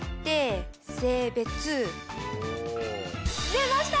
出ました！